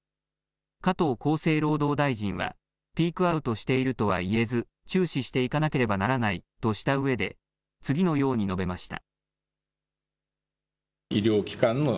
加藤厚生労働大臣は、ピークアウトしているとは言えず、注視していかなければならないとしたうえで、次のように述べました。